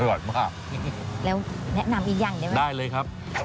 อร่อยมากแล้วแนะนำอีกอย่างได้ไหมได้เลยครับ